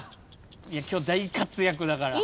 今日大活躍だから。